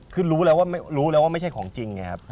คือรู้แล้วว่าไม่ใช่ของจริง